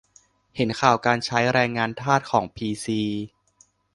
เห็นข่าวการใช้ "แรงงานทาส" ของพีซี